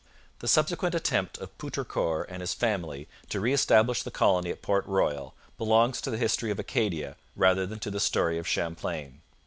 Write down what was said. The subsequent attempt of Poutrincourt and his family to re establish the colony at Port Royal belongs to the history of Acadia rather than to the story of Champlain.